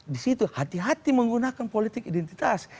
di situ hati hati menggunakan politik identitas